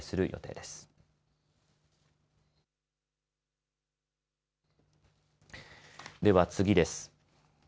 では次です。